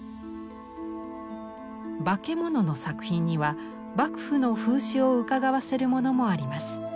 化け物の作品には幕府の風刺をうかがわせるものもあります。